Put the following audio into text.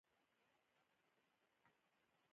دا معاینه داسې کېده چې ناروغ به اوږې پورته کولې.